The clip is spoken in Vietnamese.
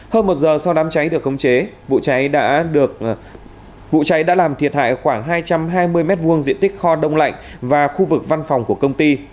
hơn một giờ sau đám cháy được khống chế vụ cháy đã làm thiệt hại khoảng hai trăm hai mươi m hai diện tích kho đông lạnh và khu vực văn phòng của công ty